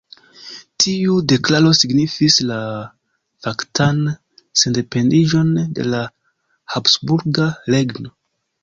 Tiu deklaro signifis la faktan sendependiĝon de la habsburga regno.